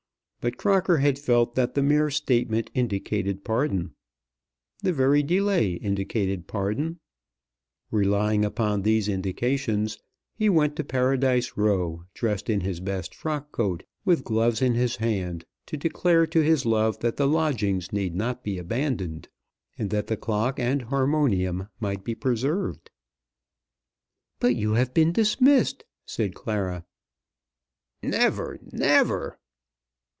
But Crocker had felt that the mere statement indicated pardon. The very delay indicated pardon. Relying upon these indications he went to Paradise Row, dressed in his best frock coat, with gloves in his hand, to declare to his love that the lodgings need not be abandoned, and that the clock and harmonium might be preserved. "But you've been dismissed!" said Clara. "Never! never!"